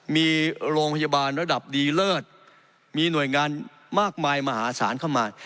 มีโรงพยาบาลระดับดีเลิศมีหน่วยงานมากมายมหาศาลเข้ามา